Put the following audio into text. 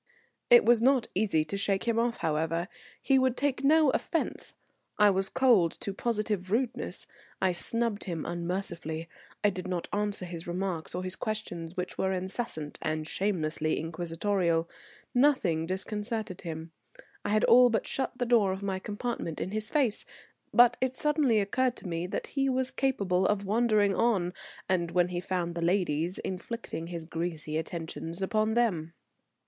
It was not easy to shake him off, however. He would take no offence; I was cold to positive rudeness, I snubbed him unmercifully; I did not answer his remarks or his questions, which were incessant and shamelessly inquisitorial. Nothing disconcerted him. I had all but shut the door of my compartment in his face, but it suddenly occurred to me that he was capable of wandering on, and when he found the ladies inflicting his greasy attentions upon them.